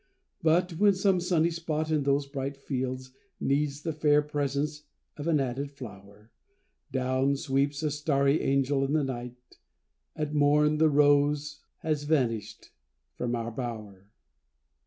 But when some sunny spot in those bright fields Needs the fair presence of an added flower, Down sweeps a starry angel in the night: At morn, the rose has vanished from our bower.